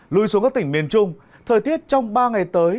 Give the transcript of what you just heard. lui xuống các tỉnh miền trung thời tiết trong ba ngày tới